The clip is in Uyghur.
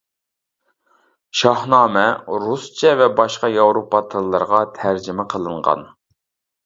«شاھنامە» رۇسچە ۋە باشقا ياۋروپا تىللىرىغا تەرجىمە قىلىنغان.